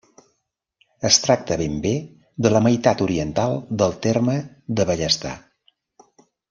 Es tracta ben bé de la meitat oriental del terme de Bellestar.